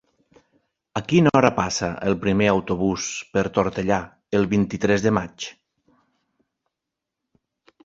A quina hora passa el primer autobús per Tortellà el vint-i-tres de maig?